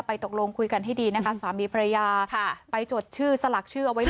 ตกลงคุยกันให้ดีนะคะสามีภรรยาไปจดชื่อสลักชื่อเอาไว้เลย